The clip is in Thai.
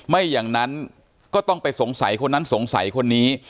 ไม่อย่างนั้นก็ต้องไปสงสัยคนนั้นสงสัยคนนี้